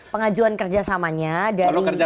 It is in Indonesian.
pengajuan kerjasamanya dari gerindra